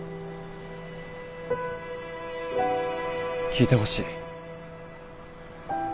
聞いてほしい。